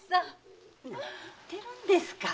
何言ってるんですか。